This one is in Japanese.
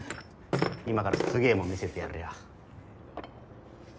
今からすげぇもん見せてやるよ。